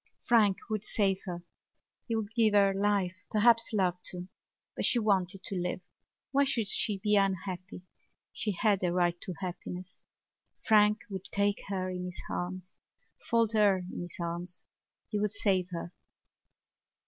Frank would save her. He would give her life, perhaps love, too. But she wanted to live. Why should she be unhappy? She had a right to happiness. Frank would take her in his arms, fold her in his arms. He would save her.